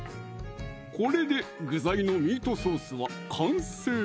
これで具材のミートソースは完成